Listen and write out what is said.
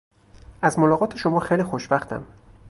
از ملاقات شما خیلی خوشوقتم.